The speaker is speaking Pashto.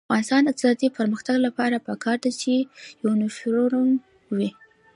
د افغانستان د اقتصادي پرمختګ لپاره پکار ده چې یونیفورم وي.